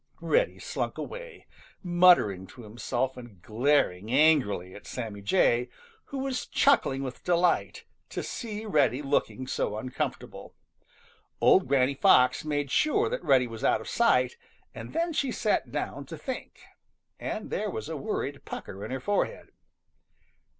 Reddy slunk away, muttering to himself and glaring angrily at Sammy Jay, who was chuckling with delight to see Reddy looking so uncomfortable. Old Granny Fox made sure that Reddy was out of sight, and then she sat down to think, and there was a worried pucker in her forehead.